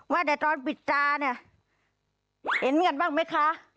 ว่าแต่ตอนปิดตาเนี่ยเห็นกันบ้างไหมคะ